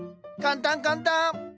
簡単簡単！